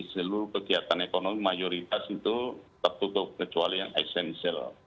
seluruh kegiatan ekonomi mayoritas itu tertutup kecuali yang esensial